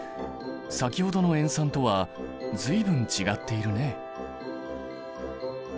先ほどの塩酸とは随分違っているね。